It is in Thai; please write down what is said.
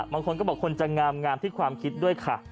บางคนก็บอกคนจะงามที่ความคิดด้วยค่ะ